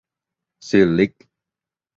ซิลลิค